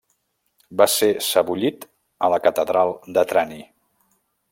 Va ser sebollit a la catedral de Trani.